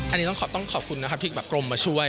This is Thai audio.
อันนี้ต้องขอบคุณนะครับที่แบบกรมมาช่วย